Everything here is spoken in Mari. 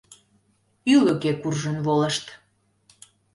Ӱлыкӧ куржын волышт.